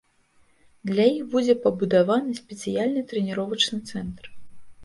Для іх будзе пабудаваны спецыяльны трэніровачны цэнтр.